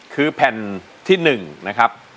คือแผ่นที่๑นะครับ